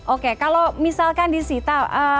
oke kalau misalkan di sita